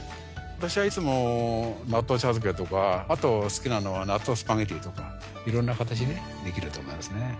私はいつも納豆茶漬けとかあと好きなのは納豆スパゲティとか色んな形でできると思いますね。